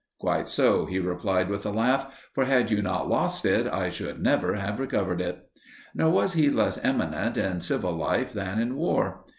"Quite so," he replied with a laugh; "for had you not lost it, I should never have recovered it." Nor was he less eminent in civil life than in war.